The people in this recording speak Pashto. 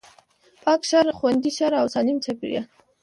پاک ښار، خوندي ښار او سالم چاپېريال